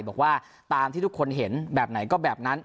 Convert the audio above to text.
บอกว่าตามที่ทุกคนเห็นแบบไหนก็แบบนั้น